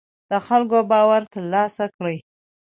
د خلکو باور تر لاسه کړئ